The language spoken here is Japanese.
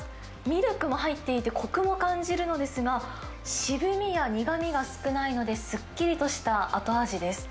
ミルクも入っていて、こくも感じるのですが、渋みや苦みが少ないので、すっきりとした後味です。